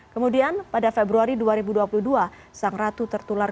kemudian pada februari dua ribu dua puluh dua sang ratu tertular